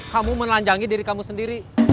kamu menelanjangi diri kamu sendiri